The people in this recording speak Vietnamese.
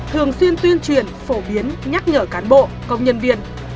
thường xuyên tuyên truyền phổ biến nhắc nhở cán bộ công nhân viên